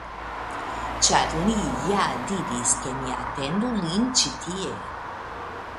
Ĉar li ja diris, ke mi atendu lin ĉi tie.